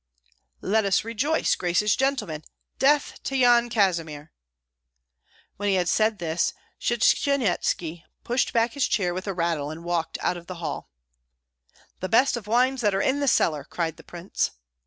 Let us rejoice, gracious gentlemen! Death to Yan Kazimir!" When he had said this, Shchanyetski pushed back his chair with a rattle, and walked out of the hall. "The best of wines that are in the cellar!" cried the prince.